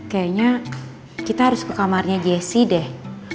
kayaknya kita harus ke kamarnya jessie deh